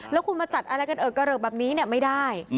แล้วคุณมาจัดอะไรกันเอิกกระเริกแบบนี้ไม่ได้